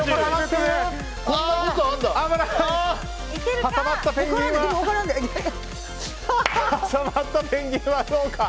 挟まったペンギンはどうか。